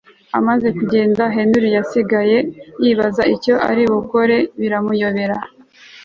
amaze kugenda Henry yasigaye yibaza icyo ari bukore biramuyobera pe